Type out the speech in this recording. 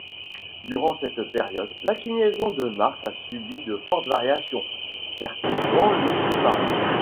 Durant cette période, l'inclinaison de Mars a subi de fortes variations, perturbant le climat.